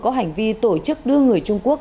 có hành vi tổ chức đưa người trung quốc